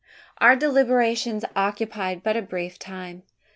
Our deliberations occupied but a brief time.